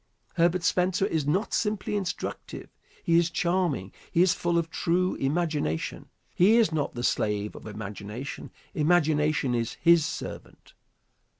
Herbert Spencer is not simply instructive, he is charming. He is full of true imagination. He is not the slave of imagination. Imagination is his servant.